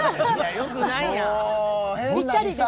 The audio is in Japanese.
よくないやん。